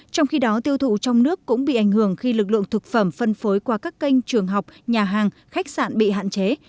trong khi đó tiêu thụ trong nước cũng bị ảnh hưởng khi lực lượng thực phẩm phân phối qua các kênh trường học nhà hàng khách sạn bị hạn chế